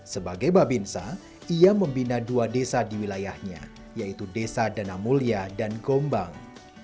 sebagai babinsa ia membina dua desa di wilayahnya yaitu desa dana mulia dan gombang